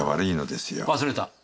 忘れた。